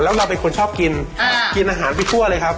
แล้วเราเป็นคนชอบกินกินอาหารไปทั่วเลยครับ